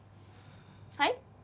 はい？